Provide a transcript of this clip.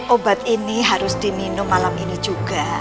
obat ini harus diminum malam ini juga